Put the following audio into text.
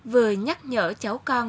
vừa nhắc nhở cháu con